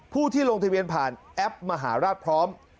ผู้ที่ลงทะเบียนผ่านแอปมหาราชพร้อม